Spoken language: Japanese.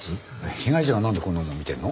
被害者がなんでこんなものを見てるの？